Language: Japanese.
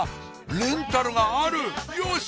レンタルがあるよし！